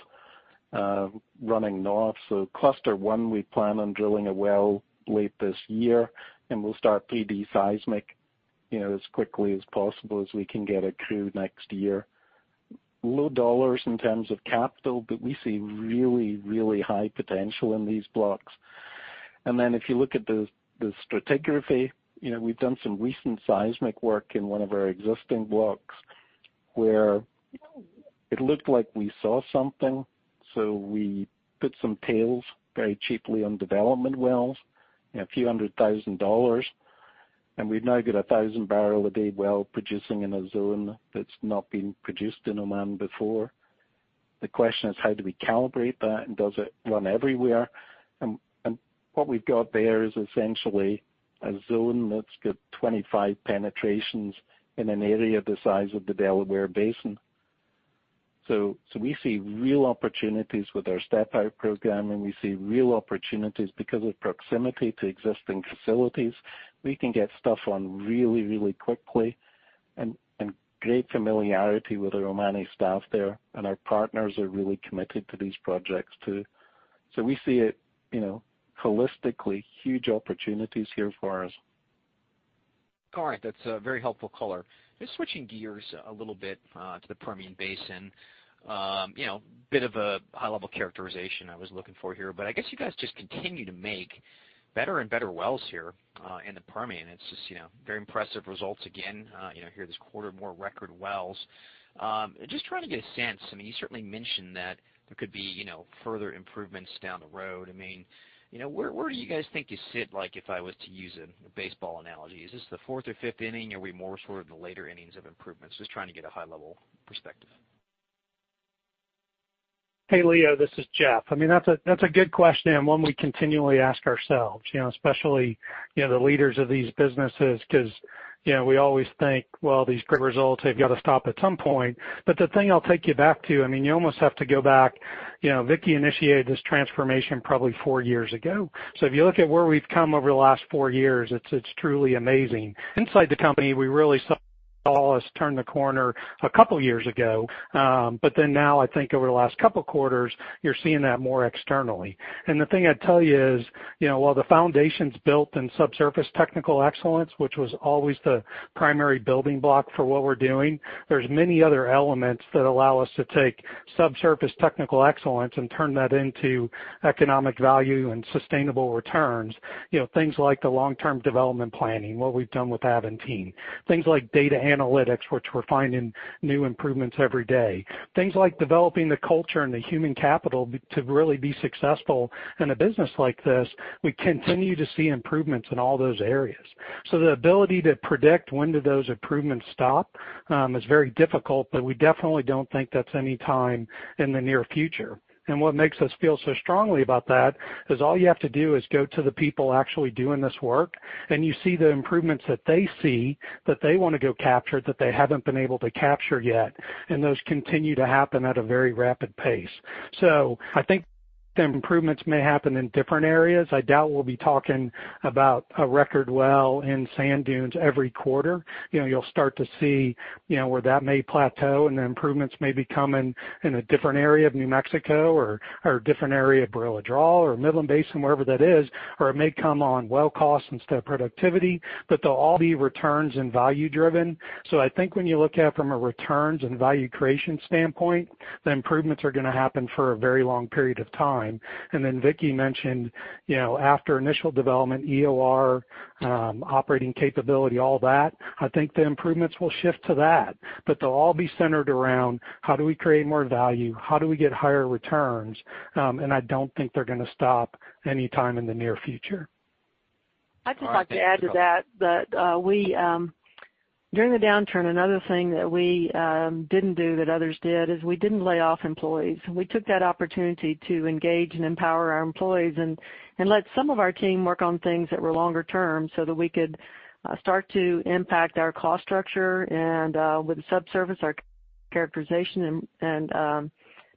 running north. Cluster 1, we plan on drilling a well late this year, and we'll start 3D seismic as quickly as possible as we can get a crew next year. Low dollars in terms of capital, but we see really high potential in these blocks. If you look at the stratigraphy, we've done some recent seismic work in one of our existing blocks where it looked like we saw something, so we put some tails very cheaply on development wells, a few hundred thousand dollars. We've now got a 1,000-barrel-a-day well producing in a zone that's not been produced in Oman before. The question is, how do we calibrate that, and does it run everywhere? What we've got there is essentially a zone that's got 25 penetrations in an area the size of the Delaware Basin. We see real opportunities with our step-out program, and we see real opportunities because of proximity to existing facilities. We can get stuff on really quickly and great familiarity with our Omani staff there, and our partners are really committed to these projects, too. We see it holistically, huge opportunities here for us. All right. That's a very helpful color. Just switching gears a little bit to the Permian Basin. Bit of a high-level characterization I was looking for here. I guess you guys just continue to make better and better wells here in the Permian. It's just very impressive results again here this quarter, more record wells. Just trying to get a sense, you certainly mentioned that there could be further improvements down the road. Where do you guys think you sit, if I was to use a baseball analogy? Is this the fourth or fifth inning? Are we more sort of in the later innings of improvements? Just trying to get a high-level perspective. Hey, Leo, this is Jeff. That's a good question and one we continually ask ourselves, especially the leaders of these businesses because we always think, "Well, these great results have got to stop at some point." The thing I'll take you back to, you almost have to go back Vicki initiated this transformation probably four years ago. If you look at where we've come over the last four years, it's truly amazing. Inside the company, we really saw us turn the corner a couple of years ago. Now, I think over the last couple of quarters, you're seeing that more externally. The thing I'd tell you is, while the foundation's built in subsurface technical excellence, which was always the primary building block for what we're doing, there's many other elements that allow us to take subsurface technical excellence and turn that into economic value and sustainable returns. Things like the long-term development planning, what we've done with Aventine, things like data analytics, which we're finding new improvements every day, things like developing the culture and the human capital to really be successful in a business like this. We continue to see improvements in all those areas. The ability to predict when do those improvements stop is very difficult, but we definitely don't think that's any time in the near future. What makes us feel so strongly about that is all you have to do is go to the people actually doing this work, and you see the improvements that they see, that they want to go capture, that they haven't been able to capture yet, and those continue to happen at a very rapid pace. I think the improvements may happen in different areas. I doubt we'll be talking about a record well in Sand Dunes every quarter. You'll start to see where that may plateau, and the improvements may be coming in a different area of New Mexico or a different area of Barilla Draw or Midland Basin, wherever that is, or it may come on well cost instead of productivity, but they'll all be returns and value driven. I think when you look at it from a returns and value creation standpoint, the improvements are going to happen for a very long period of time. Vicki mentioned, after initial development, EOR, operating capability, all that, I think the improvements will shift to that, but they'll all be centered around how do we create more value? How do we get higher returns? I don't think they're going to stop anytime in the near future. I'd just like to add to that during the downturn, another thing that we didn't do that others did is we didn't lay off employees. We took that opportunity to engage and empower our employees and let some of our team work on things that were longer term so that we could start to impact our cost structure and with subsurface, our characterization, and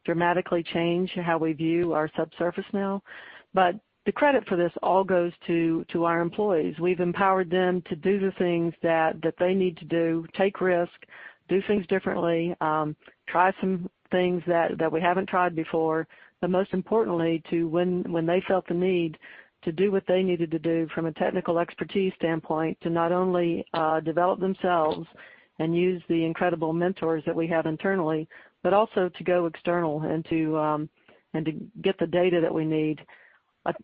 dramatically change how we view our subsurface now. The credit for this all goes to our employees. We've empowered them to do the things that they need to do, take risks, do things differently, try some things that we haven't tried before. Most importantly, to when they felt the need to do what they needed to do from a technical expertise standpoint, to not only develop themselves and use the incredible mentors that we have internally, also to go external and to get the data that we need.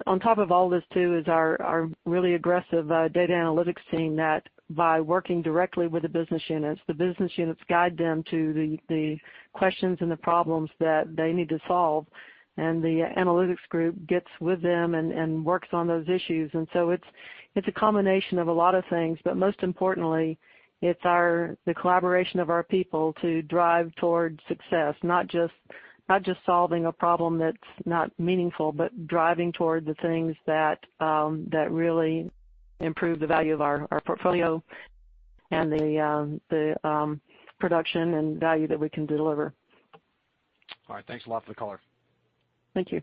On top of all this too, is our really aggressive data analytics team that by working directly with the business units, the business units guide them to the questions and the problems that they need to solve. The analytics group gets with them and works on those issues. It's a combination of a lot of things. Most importantly, it's the collaboration of our people to drive towards success, not just solving a problem that's not meaningful, driving toward the things that really improve the value of our portfolio and the production and value that we can deliver. All right. Thanks a lot for the color. Thank you.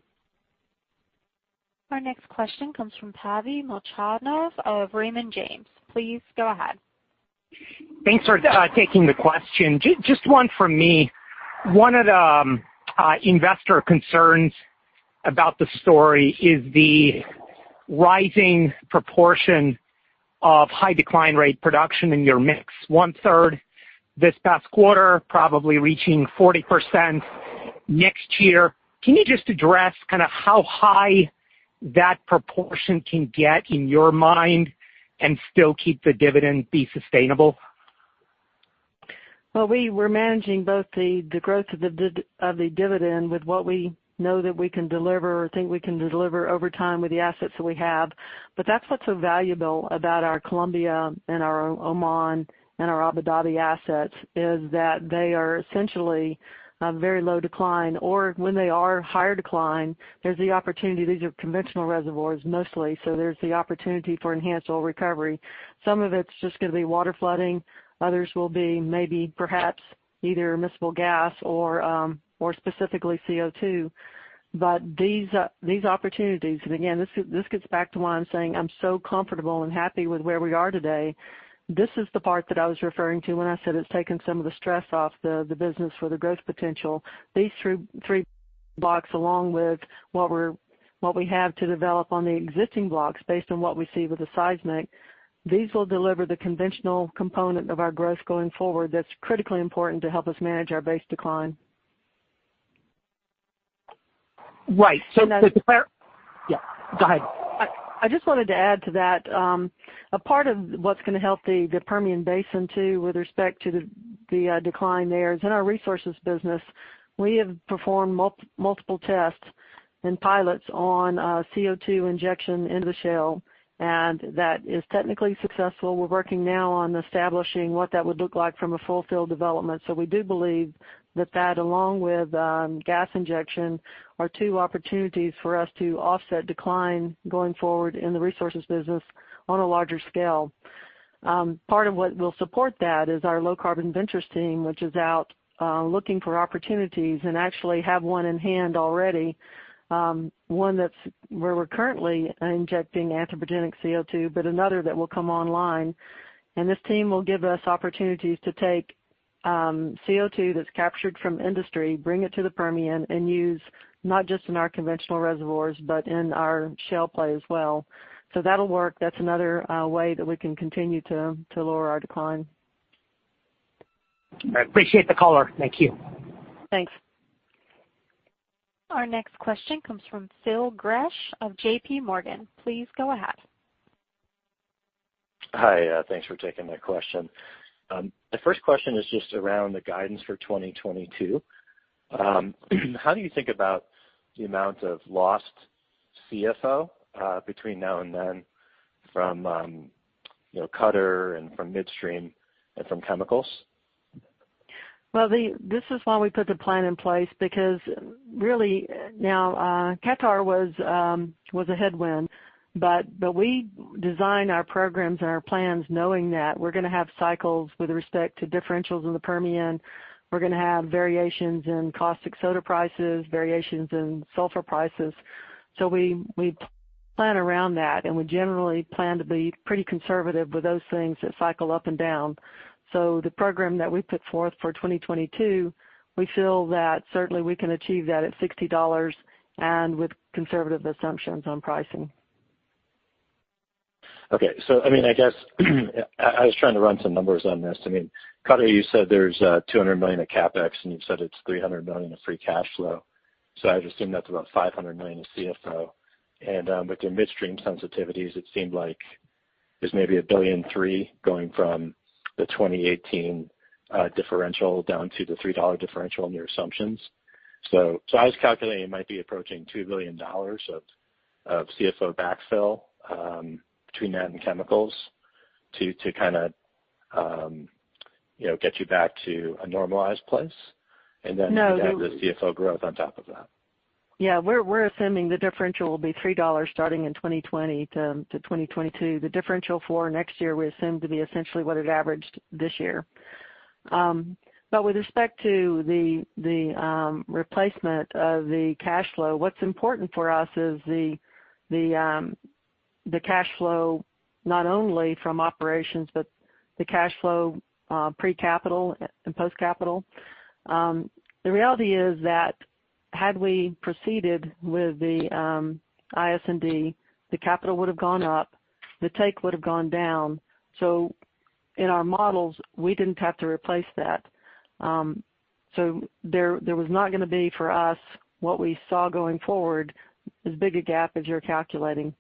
Our next question comes from Pavel Molchanov of Raymond James. Please go ahead. Thanks for taking the question. Just one from me. One of the investor concerns about the story is the rising proportion of high decline rate production in your mix, one-third this past quarter, probably reaching 40% next year. Can you just address how high that proportion can get in your mind and still keep the dividend be sustainable? Well, we were managing both the growth of the dividend with what we know that we can deliver or think we can deliver over time with the assets that we have. That's what's so valuable about our Colombia and our Oman and our Abu Dhabi assets, is that they are essentially very low decline, or when they are higher decline, there's the opportunity. These are conventional reservoirs, mostly, so there's the opportunity for enhanced oil recovery. Some of it's just going to be water flooding. Others will be maybe perhaps either miscible gas or specifically CO2. These opportunities, and again, this gets back to why I'm saying I'm so comfortable and happy with where we are today. This is the part that I was referring to when I said it's taken some of the stress off the business for the growth potential. These three blocks, along with what we have to develop on the existing blocks based on what we see with the seismic, these will deliver the conventional component of our growth going forward that's critically important to help us manage our base decline. Right. Can I? Yeah, go ahead. I just wanted to add to that. A part of what's going to help the Permian Basin too, with respect to the decline there, is in our resources business, we have performed multiple tests and pilots on CO2 injection into the shale, and that is technically successful. We're working now on establishing what that would look like from a full field development. We do believe that that, along with gas injection, are two opportunities for us to offset decline going forward in the resources business on a larger scale. Part of what will support that is our Low Carbon Ventures team, which is out looking for opportunities and actually have one in hand already. One that's where we're currently injecting anthropogenic CO2, but another that will come online. This team will give us opportunities to take CO2 that's captured from industry, bring it to the Permian and use not just in our conventional reservoirs, but in our shale play as well. That'll work. That's another way that we can continue to lower our decline. I appreciate the caller. Thank you. Thanks. Our next question comes from Phil Gresh of JPMorgan. Please go ahead. Hi. Thanks for taking my question. The first question is just around the guidance for 2022. How do you think about the amount of lost CFO between now and then from Qatar and from midstream and from chemicals? This is why we put the plan in place, because really now, Qatar was a headwind, but we design our programs and our plans knowing that we're going to have cycles with respect to differentials in the Permian. We're going to have variations in caustic soda prices, variations in sulfur prices. We plan around that, and we generally plan to be pretty conservative with those things that cycle up and down. The program that we put forth for 2022, we feel that certainly we can achieve that at $60 and with conservative assumptions on pricing. I guess, I was trying to run some numbers on this. Qatar, you said there's $200 million of CapEx, and you've said it's $300 million of free cash flow. I'd assume that's about $500 million of CFO. With your midstream sensitivities, it seemed like there's maybe a billion and three going from the 2018 differential down to the $3 differential in your assumptions. I was calculating it might be approaching $2 billion of CFO backfill between that and chemicals to kind of get you back to a normalized place. No. You have the CFO growth on top of that. We're assuming the differential will be $3 starting in 2020-2022. The differential for next year we assume to be essentially what it averaged this year. With respect to the replacement of the cash flow, what's important for us is the cash flow, not only from operations, but the cash flow pre-capital and post-capital. The reality is that had we proceeded with the ISND, the capital would've gone up, the take would've gone down. In our models, we didn't have to replace that. There was not going to be for us, what we saw going forward, as big a gap as you're calculating.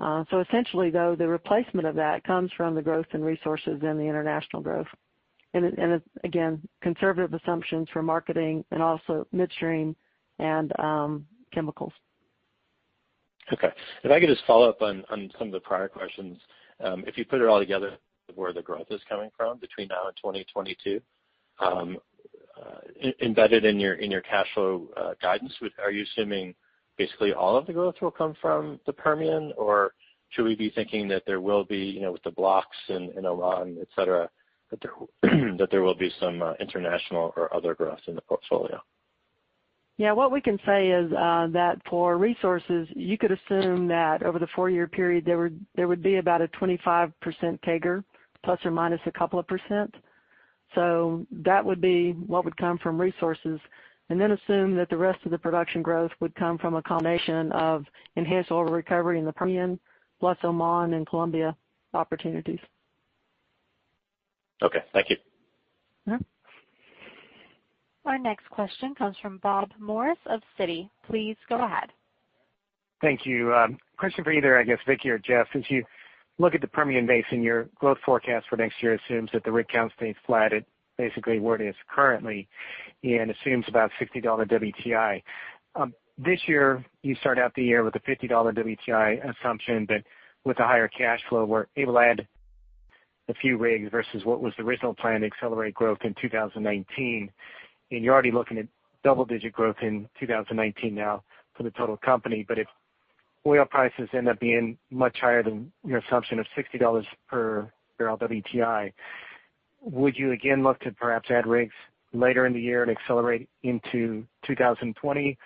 Essentially though, the replacement of that comes from the growth in resources and the international growth, and again, conservative assumptions for marketing and also midstream and chemicals. Okay. If I could just follow up on some of the prior questions. If you put it all together where the growth is coming from between now and 2022, embedded in your cash flow guidance, are you assuming basically all of the growth will come from the Permian? Or should we be thinking that there will be, with the blocks in Oman, et cetera, that there will be some international or other growth in the portfolio? Yeah. What we can say is that for resources, you could assume that over the four-year period, there would be about a 25% CAGR, plus or minus a couple of %. That would be what would come from resources, and then assume that the rest of the production growth would come from a combination of enhanced oil recovery in the Permian, plus Oman and Colombia opportunities. Okay, thank you. Our next question comes from Bob Morris of Citi. Please go ahead. Thank you. Question for either, I guess, Vicki or Jeff. Since you look at the Permian Basin, your growth forecast for next year assumes that the rig count stays flat at basically where it is currently and assumes about $60 WTI. This year, you started out the year with a $50 WTI assumption, but with a higher cash flow, were able to add a few rigs versus what was the original plan to accelerate growth in 2019. You're already looking at double-digit growth in 2019 now for the total company. If oil prices end up being much higher than your assumption of $60 per barrel WTI, would you again look to perhaps add rigs later in the year and accelerate into 2020?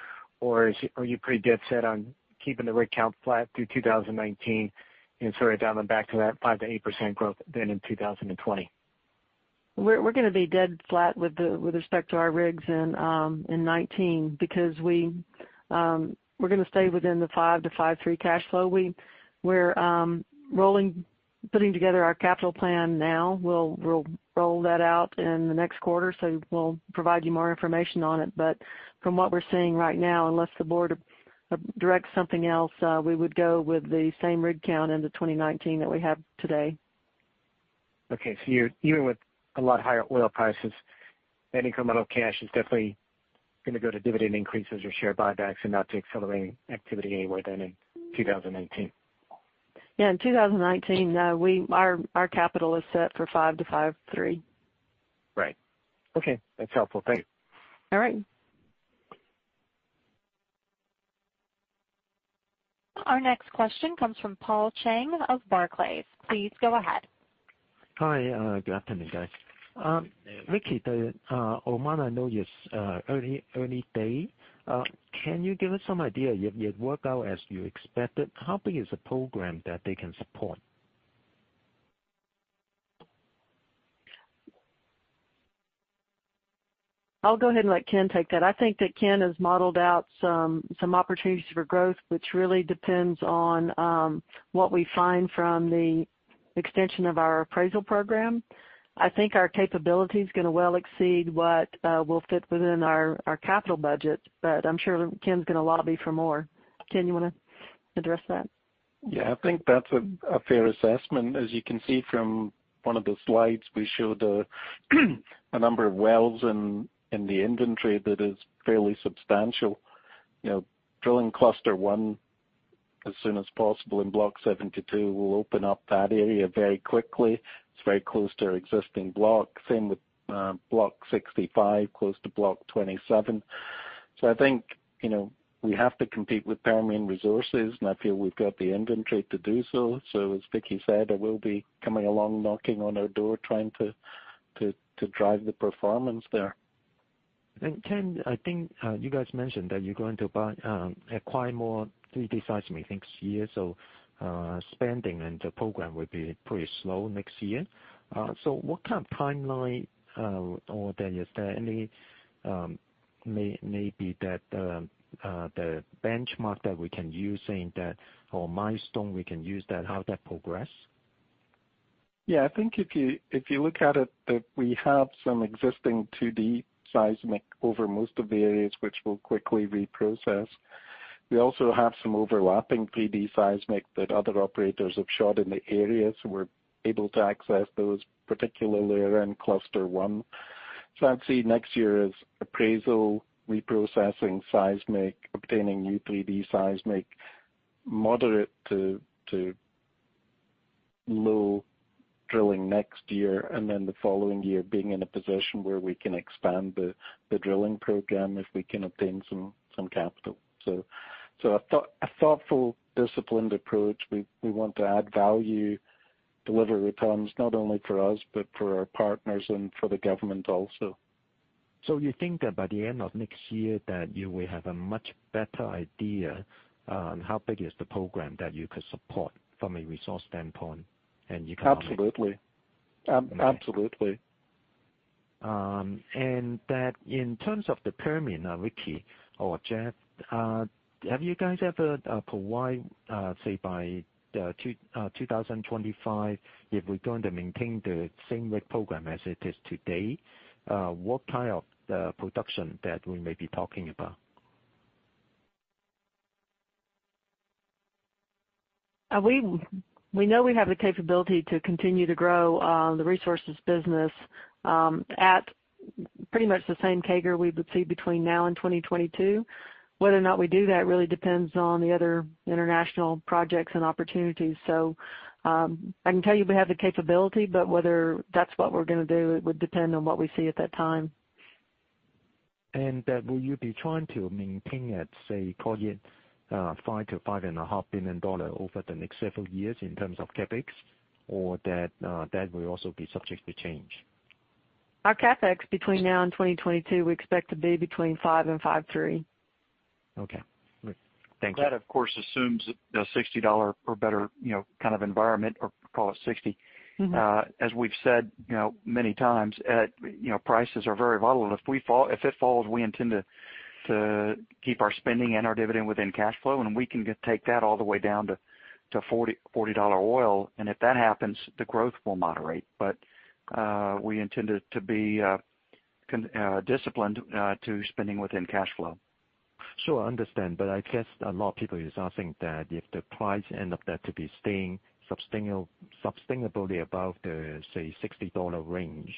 Are you pretty dead set on keeping the rig count flat through 2019 and sort of dialing back to that 5%-8% growth then in 2020? We're going to be dead flat with respect to our rigs in 2019, because we're going to stay within the 5 to 5.3 cash flow. We're putting together our capital plan now. We'll roll that out in the next quarter, so we'll provide you more information on it. From what we're seeing right now, unless the board directs something else, we would go with the same rig count into 2019 that we have today. Okay. Even with a lot higher oil prices, any incremental cash is definitely going to go to dividend increases or share buybacks and not to accelerating activity anywhere then in 2019. Yeah, in 2019, our capital is set for $5-$5.3. Right. Okay. That's helpful. Thank you. All right. Our next question comes from Paul Cheng of Barclays. Please go ahead. Hi, good afternoon, guys. Vicki, the Oman, I know it's early day. Can you give us some idea, it worked out as you expected, how big is the program that they can support? I'll go ahead and let Ken take that. I think that Ken has modeled out some opportunities for growth, which really depends on what we find from the extension of our appraisal program. I think our capability is going to well exceed what will fit within our capital budget, I'm sure Ken's going to lobby for more. Ken, you want to address that? Yeah, I think that's a fair assessment. As you can see from one of the slides, we showed a number of wells in the inventory that is fairly substantial. Drilling cluster one as soon as possible in Block 72 will open up that area very quickly. It's very close to our existing block. Same with Block 65, close to Block 27. I think, we have to compete with Permian Resources, I feel we've got the inventory to do so. As Vicki said, I will be coming along, knocking on her door, trying to drive the performance there. Ken, I think you guys mentioned that you're going to acquire more 3D seismic next year. Spending and the program will be pretty slow next year. What kind of timeline, is there any maybe that the benchmark that we can use saying that or milestone we can use that how that progress? I think if you look at it, we have some existing 2D seismic over most of the areas which we'll quickly reprocess. We also have some overlapping 3D seismic that other operators have shot in the area, we're able to access those, particularly around cluster 1. I'd say next year is appraisal, reprocessing seismic, obtaining new 3D seismic, moderate to low drilling next year, and then the following year being in a position where we can expand the drilling program if we can obtain some capital. A thoughtful, disciplined approach. We want to add value, deliver returns not only for us, but for our partners and for the government also. You think that by the end of next year that you will have a much better idea on how big is the program that you could support from a resource standpoint. Absolutely. Okay. Absolutely. In terms of the Permian, Vicki or Jeff, have you guys ever provide, say by 2025, if we're going to maintain the same rig program as it is today, what kind of production that we may be talking about? We know we have the capability to continue to grow the resources business at pretty much the same CAGR we would see between now and 2022. Whether or not we do that really depends on the other international projects and opportunities. I can tell you we have the capability, but whether that's what we're going to do, it would depend on what we see at that time. That will you be trying to maintain at, say, per year, $5 billion-$5.5 billion over the next several years in terms of CapEx, or that will also be subject to change? Our CapEx between now and 2022, we expect to be between $5 billion and $5.3 billion. Okay. Great. Thank you. That, of course, assumes a $60 or better kind of environment, or call it $60. As we've said many times, prices are very volatile. If it falls, we intend to keep our spending and our dividend within cash flow, and we can take that all the way down to $40 oil. If that happens, the growth will moderate. We intend it to be disciplined to spending within cash flow. Sure, I guess a lot of people is asking that if the price end up that to be staying sustainably above the, say, $60 range,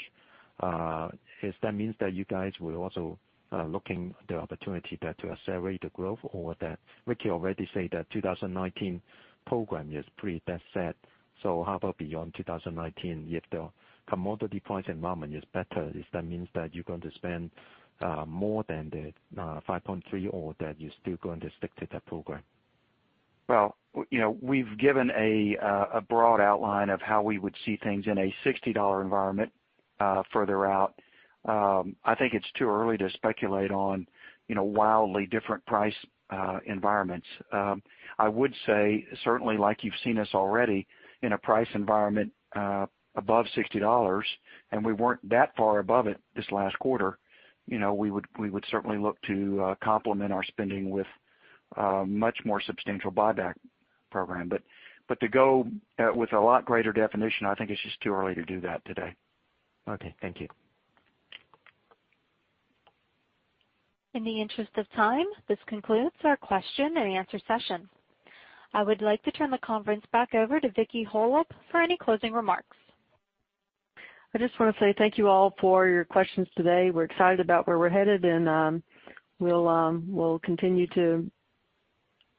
if that means that you guys will also looking the opportunity there to accelerate the growth or that Vicki already say that 2019 program is pretty best set. How about beyond 2019, if the commodity price environment is better, if that means that you're going to spend more than the $5.3, or that you're still going to stick to that program? Well, we've given a broad outline of how we would see things in a $60 environment further out. I think it's too early to speculate on wildly different price environments. I would say, certainly like you've seen us already in a price environment above $60, and we weren't that far above it this last quarter. We would certainly look to complement our spending with a much more substantial buyback program. To go with a lot greater definition, I think it's just too early to do that today. Okay. Thank you. In the interest of time, this concludes our question and answer session. I would like to turn the conference back over to Vicki Hollub for any closing remarks. I just want to say thank you all for your questions today. We're excited about where we're headed, and we'll continue to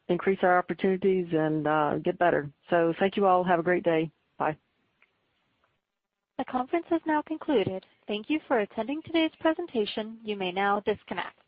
increase our opportunities and get better. Thank you all. Have a great day. Bye. The conference has now concluded. Thank you for attending today's presentation. You may now disconnect.